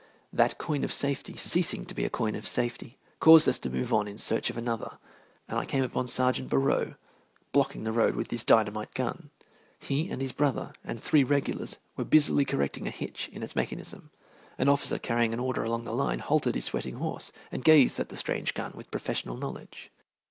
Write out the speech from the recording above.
That coign of safety ceasing to be a coign of safety caused us to move on in search of another, and I came upon Sergeant Borrowe blocking the road with his dynamite gun. He and his brother and three regulars were busily correcting a hitch in its mechanism. An officer carrying an order along the line halted his sweating horse and gazed at the strange gun with professional knowledge.